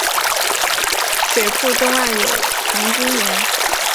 水库东岸有红军岩。